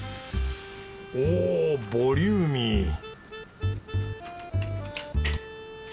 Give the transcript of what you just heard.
おボリューミー！